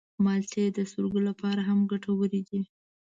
مالټې د سترګو لپاره هم ګټورې دي.